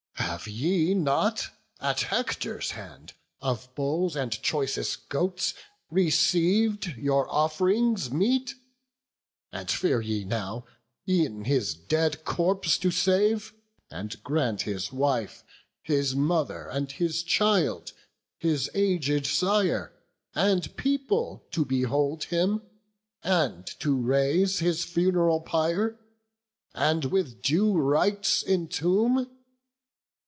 have ye not, At Hector's hand, of bulls and choicest goats Receiv'd your off'rings meet? and fear ye now E'en his dead corpse to save, and grant his wife, His mother, and his child, his aged sire And people, to behold him, and to raise His fun'ral pile, and with due rites entomb?